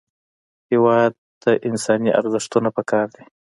هېواد ته انساني ارزښتونه پکار دي